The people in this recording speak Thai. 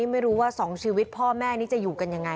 ไม่รู้ว่า๒ชีวิตพ่อแม่นี้จะอยู่กันยังไง